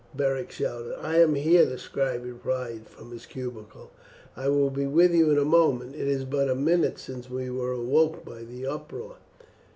Beric shouted. "I am here," the scribe replied from his cubicule, "I will be with you in a moment; it is but a minute since we were awoke by the uproar."